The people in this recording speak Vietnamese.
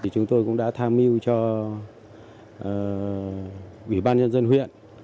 chúng tôi cũng đã tham mưu cho ủy ban nhân dân huyện